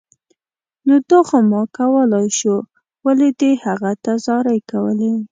نو دا خو ما کولای شو، ولې دې هغه ته زارۍ کولې